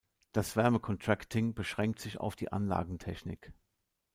Das Wärme-Contracting beschränkt sich auf die Anlagentechnik.